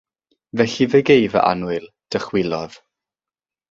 "Felly fe gei, fy annwyl," dychwelodd.